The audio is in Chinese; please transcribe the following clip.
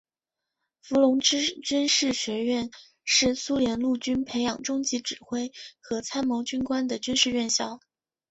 伏龙芝军事学院是苏联陆军培养中级指挥和参谋军官的军事院校。